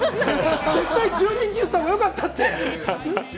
絶対１２日に言った方が良かったって。